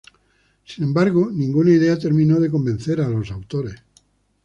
Sin embargo, ninguna idea terminó de convencer a los autores.